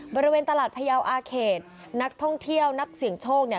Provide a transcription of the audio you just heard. บริเวณตลาดพยาวอาเขตนักท่องเที่ยวนักเสี่ยงโชคเนี่ย